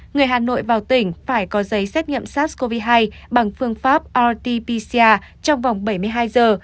người hà nội vào tỉnh phải có giấy xét nghiệm sars cov hai bằng phương pháp rt pcr trong vòng bảy mươi hai giờ